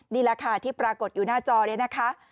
นี่แหละค่ะที่ปรากฏอยู่หน้าจอนี้นะคะ